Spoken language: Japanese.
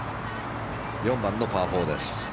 ４番のパー４です。